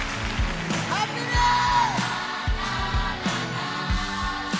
「ハピネス」！